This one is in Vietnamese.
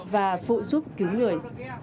và phụ giúp cứu người